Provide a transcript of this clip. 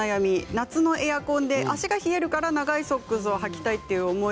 夏のエアコンで足が冷えるから長いソックスをはきたいという思い